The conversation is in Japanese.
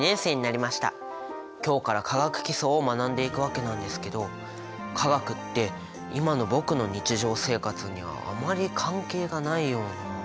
今日から化学基礎を学んでいくわけなんですけど化学って今の僕の日常生活にはあまり関係がないような。